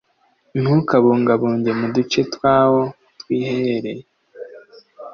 ntukabungabunge mu duce twawo twiherereye